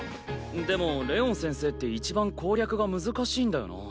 でもレオン先生っていちばん攻略が難しいんだよな？